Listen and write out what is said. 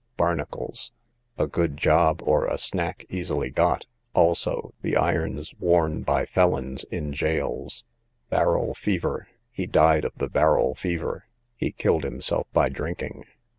Barnacles, a good job, or a snack easily got; also, the irons worn by felons in gaols. Barrel Fever, he died of the barrel fever; he killed himself by drinking.